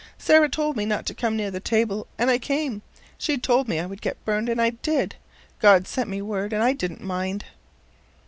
Sarah told me not to come near the table, and I came. She told me I would get burned, and I did. God sent me word and I didn't mind."